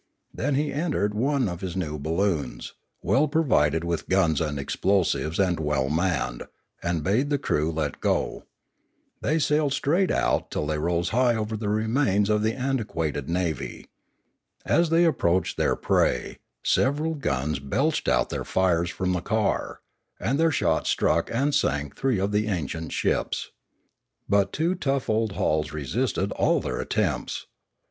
Then he en tered one of his new balloons, well provided with guns and explosives and well manned, and bade the crew let go. They sailed straight out till they rose high over the remains of the antiquated navy. As they ap proached their prey, several guns belched out their fires from the car, and their shot struck and sank three of the ancient ships. But two tough old hulls resisted all their attempts.